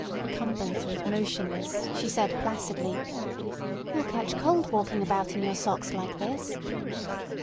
Recumbent and motionless, she said placidly: "You'll catch cold walking about in your socks like this."